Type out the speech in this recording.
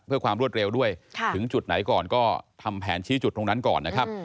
เพื่อความรวดเร็วด้วยถึงจุดไหนก่อนก็ทำแผนชี้จุดตรงนั้นก่อนนะครับ